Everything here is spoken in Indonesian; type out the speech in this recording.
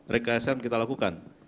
rekasian kita lakukan